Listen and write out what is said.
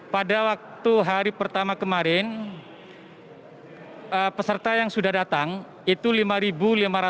pada waktu hari pertama kemarin peserta yang sudah datang itu lima lima ratus satu orang atau sekitar lima puluh tujuh tiga persen